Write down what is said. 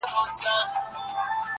هره ورځ کوم جـــناب زه تمثـيل د زنکدن